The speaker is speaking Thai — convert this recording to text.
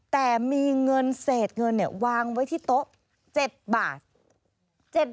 แต่มีเงินเศษเงินวางไว้ที่โต๊ะ๗บาท